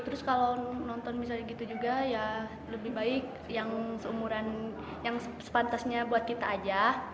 terus kalau nonton misalnya gitu juga ya lebih baik yang seumuran yang sepantasnya buat kita aja